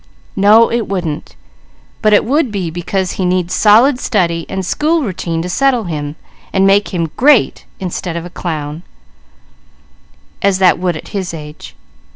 "No it wouldn't; but it would be because he needs solid study and school routine to settle him, and make him great instead of a clown, as that would at his age.